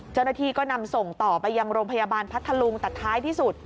เจ้าหน้าที่ก็นำส่งต่อไปยังโรงพยาบาลพัทธลุงแต่ท้ายที่สุด